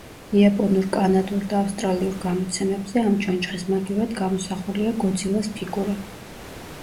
იაპონურ, კანადურ და ავსტრალიურ გამოცემებზე ამ ჩონჩხის მაგივრად გამოსახულია გოძილას ფიგურა.